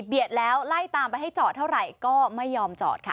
แล้วไล่ตามไปให้จอดเท่าไหร่ก็ไม่ยอมจอดค่ะ